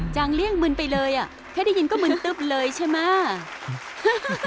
จังเลี่ยงมึนไปเลยอ่ะแค่ได้ยินก็มึนตึ๊บเลยใช่ไหม